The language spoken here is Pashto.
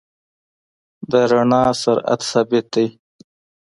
د رڼا سرعت ثابت دی.